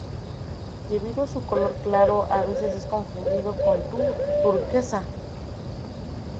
Debido a su color claro, a veces es confundido con la turquesa.